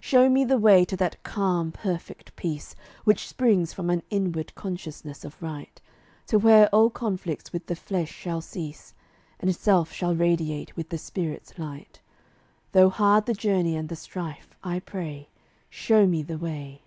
Show me the way to that calm, perfect peace Which springs from an inward consciousness of right; To where all conflicts with the flesh shall cease, And self shall radiate with the spirit's light. Though hard the journey and the strife, I pray, Show me the way.